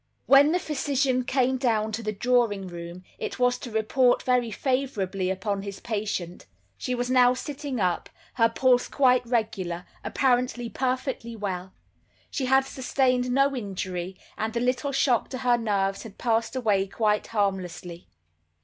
When the physician came down to the drawing room, it was to report very favorably upon his patient. She was now sitting up, her pulse quite regular, apparently perfectly well. She had sustained no injury, and the little shock to her nerves had passed away quite harmlessly.